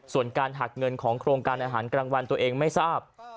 ส่วนการหักเงินของโครงการอาหารกลางวันตัวเองไม่ทราบ